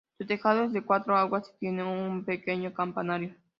Su tejado es de cuatro aguas y tiene un pequeño campanario.